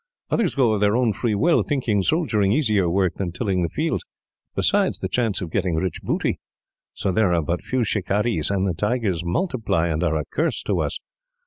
Others go of their own free will, thinking soldiering easier work than tilling the fields, besides the chance of getting rich booty. So there are but few shikarees, and the tigers multiply and are a curse to us.